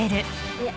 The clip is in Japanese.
いえ。